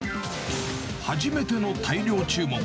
初めての大量注文。